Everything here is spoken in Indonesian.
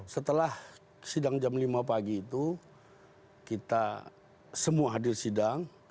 setelah sidang jam lima pagi itu kita semua hadir sidang